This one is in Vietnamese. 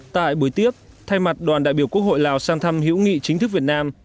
tại buổi tiếp thay mặt đoàn đại biểu quốc hội lào sang thăm hữu nghị chính thức việt nam